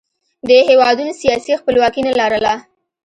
دې هېوادونو سیاسي خپلواکي نه لرله